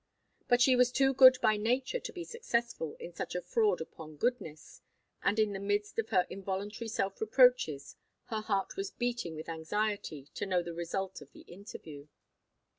But she was too good by nature to be successful in such a fraud upon goodness, and in the midst of her involuntary self reproaches, her heart was beating with anxiety to know the result of the interview.